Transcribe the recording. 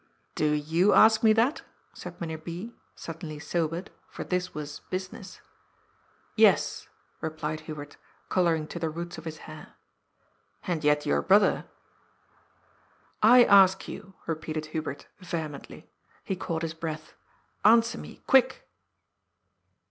" Do you ask me that ?" said Mynheer B., suddenly sobered, for this was " business." "Yes," replied Hubert, colouring to the roots of his hair. " And yet your brother " THE CATASTROPHE, 405 " I ask you," repeated Hubert vehemently. He caught his breath. " Answer me. Quick